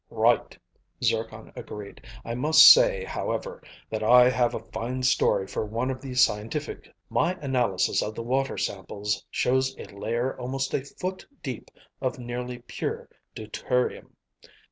"Right," Zircon agreed. "I must say, however, that I have a fine story for one of the scientific journals. My analysis of the water samples shows a layer almost a foot deep of nearly pure deuterium.